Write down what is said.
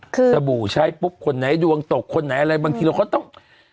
คือสบู่ใช้ปุ๊บคนไหนดวงตกคนไหนอะไรบางทีเราก็ต้อง